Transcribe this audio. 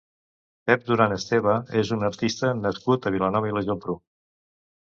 Pep Duran Esteva és un artista nascut a Vilanova i la Geltrú.